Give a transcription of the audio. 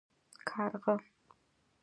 🐦⬛ کارغه